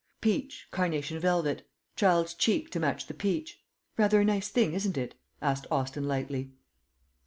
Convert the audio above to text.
Peach, carnation velvet; child's cheek to match the peach. Rather a nice thing, isn't it?" asked Austin lightly.